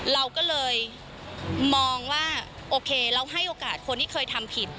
เราก็เลยมองว่าโอเคเราให้โอกาสคนที่เคยทำผิด